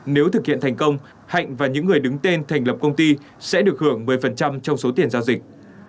nếu thực hiện thành công hạnh và những người đứng tên thành lập công ty sẽ được hưởng một mươi trong số tiền giao dịch